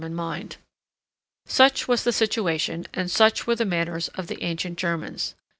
Car. Mag.—M.] Such was the situation, and such were the manners of the ancient Germans.